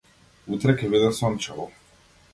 Утре ќе биде сончево.